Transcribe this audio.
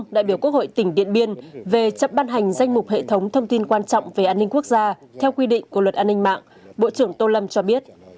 đại biểu quốc hội tỉnh điện biên về chậm ban hành danh mục hệ thống thông tin quan trọng về an ninh quốc gia theo quy định của luật an ninh mạng bộ trưởng tô lâm cho biết